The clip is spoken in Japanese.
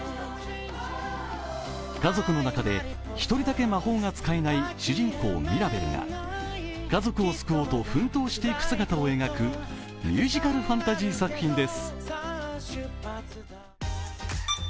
家族の中で１人だけ魔法が使えない主人公ミラベルが家族を救おうと奮闘していく姿を描くミュージカルファンタジー作品です。